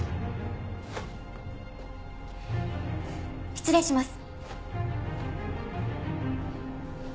失礼します。